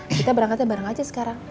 kita berangkatnya bareng aja sekarang